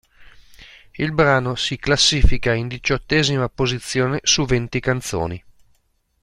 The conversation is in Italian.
Il brano si classifica in diciottesima posizione su venti canzoni.